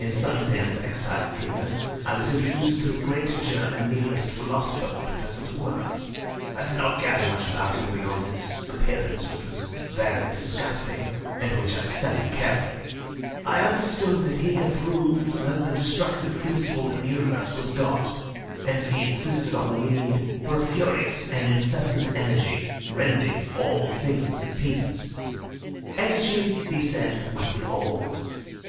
In some den of exiled dreamers I was introduced to the great German Nihilist philosopher, Professor de Worms. I did not gather much about him beyond his appearance, which was very disgusting, and which I studied carefully. I understood that he had proved that the destructive principle in the universe was God; hence he insisted on the need for a furious and incessant energy, rending all things in pieces. Energy, he said, was the All.